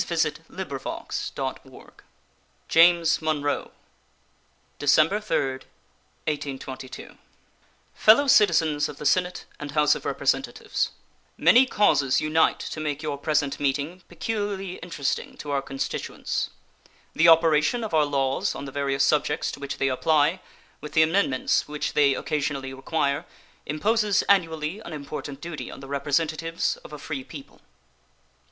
State of the Union Address James Monroe December 3, 1822 Fellow Citizens of the Senate and House of Representatives: Many causes unite to make your present meeting peculiarly interesting to out constituents. The operation of our laws on the various subjects to which they apply, with the amendments which they occasionally require, imposes annually an important duty on the representatives of a free people.